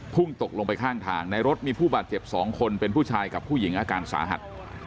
พุ่งตกลงไปข้างทางในรถมีผู้บาดเจ็บ๒คนเป็นผู้ชายกับผู้หญิงอาการสาหัส